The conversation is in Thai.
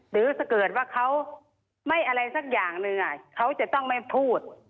หรือถ้าเกิดว่าเขาไม่อะไรสักอย่างหนึ่งเขาจะต้องไม่พูด